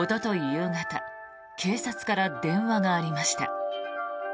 夕方警察から電話がありました。